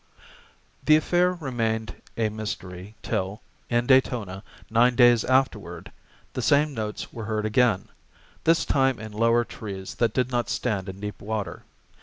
] The affair remained a mystery till, in Daytona, nine days afterward, the same notes were heard again, this time in lower trees that did not stand in deep water.